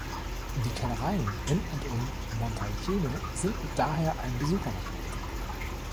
Die Kellereien in und um Montalcino sind daher ein Besuchermagnet.